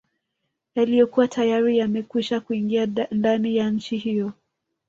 Yaliyokuwa tayari yamekwisha kuingia ndani ya nchi hiyo